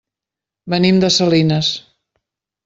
Venim de Salinas.